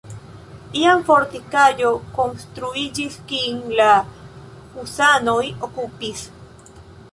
Iam fortikaĵo konstruiĝis, kin la husanoj okupis.